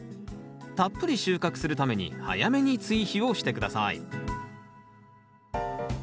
たっぷり収穫するために早めに追肥をして下さい。